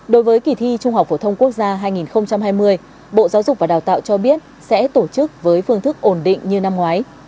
đối với kỳ thi trung học phổ thông quốc gia hai nghìn hai mươi bộ giáo dục và đào tạo cho biết sẽ tổ chức với phương thức ổn định như năm ngoái